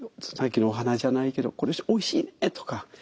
さっきのお花じゃないけど「これおいしいね」とか。